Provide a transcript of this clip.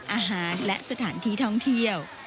อาหารและสถานที่ท่องเที่ยว